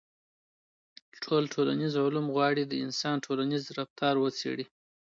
ټول ټولنيز علوم غواړي د انسان ټولنيز رفتار وڅېړي.